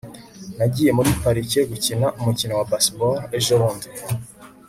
nagiye muri parike gukina umukino wa baseball ejobundi